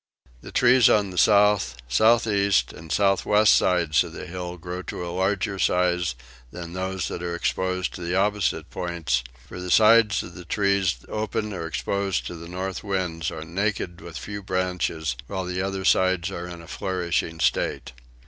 The trees on the south, south east, and south west sides of the hills grow to a larger size than those that are exposed to the opposite points; for the sides of the trees open or exposed to the north winds are naked with few branches; while the other sides are in a flourishing state.